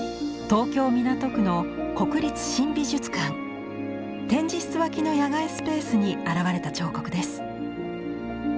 東京・港区の国立新美術館展示室脇の野外スペースに現れた彫刻です。